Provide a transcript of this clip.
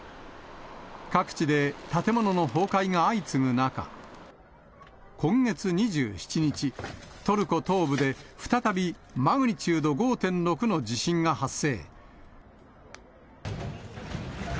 各地で建物の崩壊が相次ぐ中、今月２７日、トルコ東部で再びマグニチュード５．６の地震が発生。